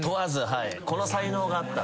この才能があったら。